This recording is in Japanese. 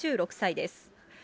２６歳です。